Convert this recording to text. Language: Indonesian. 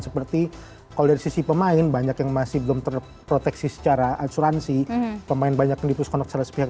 seperti kalau dari sisi pemain banyak yang masih belum terproteksi secara asuransi pemain banyak yang dipuskan secara sepihak